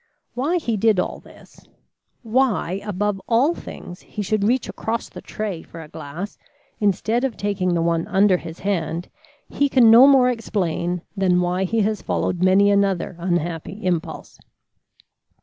Why he did all this why, above all things, he should reach across the tray for a glass instead of taking the one under his hand, he can no more explain than why he has followed many another unhappy impulse.